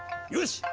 よし！